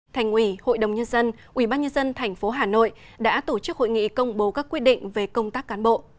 thành ủy hội đồng nhân dân ủy ban nhân dân tp hà nội đã tổ chức hội nghị công bố các quyết định về công tác cán bộ